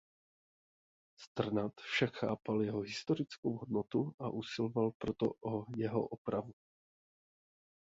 Strnad však chápal jeho historickou hodnotu a usiloval proto o jeho opravu.